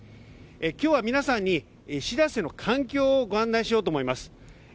今日は皆さんに「しらせ」の艦橋をご紹介しようと思います。